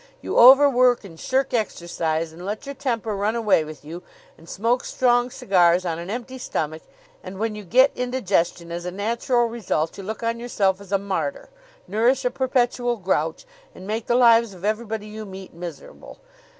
You overwork and shirk exercise, and let your temper run away with you, and smoke strong cigars on an empty stomach; and when you get indigestion as a natural result you look on yourself as a martyr, nourish a perpetual grouch, and make the lives of everybody you meet miserable.